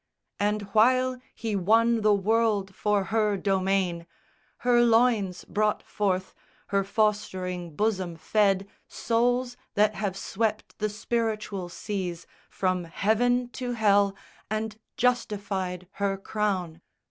And while he won the world for her domain, Her loins brought forth, her fostering bosom fed Souls that have swept the spiritual seas From heaven to hell, and justified her crown.